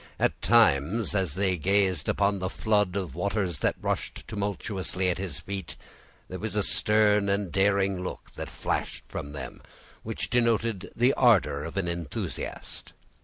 At times, as they gazed upon the flood of waters that rushed tumultuously at his feet, there was a stern and daring look that flashed from them, which denoted the ardor of an enthusiast.